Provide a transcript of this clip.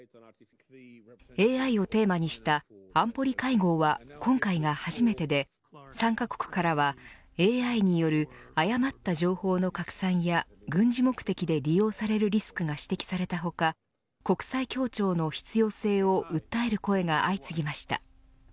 ＡＩをテーマにした安保理会合は今回が初めてで参加国からは、ＡＩによる誤った情報の拡散や軍事目的で利用されるリスクが指摘された他国際協調の必要性を訴える声が相次ぎました。